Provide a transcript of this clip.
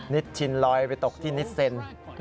ชินลอยไปตกที่นิสเซ็น